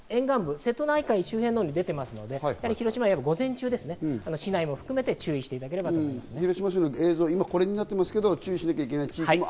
瀬戸内海周辺のみ出ていますので、広島は午前中ですね、市内含めて、注意していただければと思います。